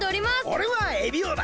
おれはエビオだ。